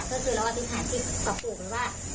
ก็คือเราอธิษฐานที่ปรับปลูกไว้ว่า